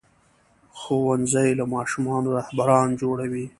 ښوونځی له ماشومانو رهبران جوړوي.